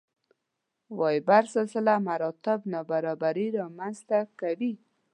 وېبر سلسله مراتب نابرابري رامنځته کوي.